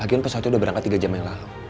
lagian pesawatnya udah berangkat tiga jam yang lalu